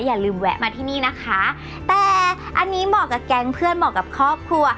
อย่าลืมแวะมาที่นี่นะคะแต่อันนี้เหมาะกับแก๊งเพื่อนเหมาะกับครอบครัว